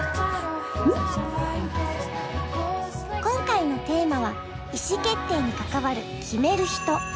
今回のテーマは意思決定に関わる「決めるひと」。